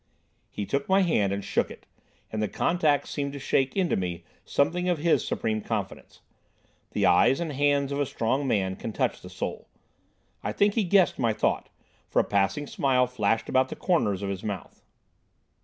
He took my hand and shook it, and the contact seemed to shake into me something of his supreme confidence. The eyes and hands of a strong man can touch the soul. I think he guessed my thought, for a passing smile flashed about the corners of his mouth.